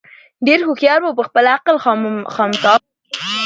ډېر هوښیار وو په خپل عقل خامتماوو